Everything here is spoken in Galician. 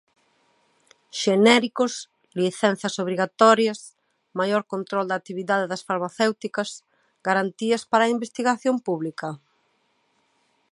Xenéricos, licenzas obrigatorias, maior control da actividade das farmacéuticas, garantías para a investigación pública...?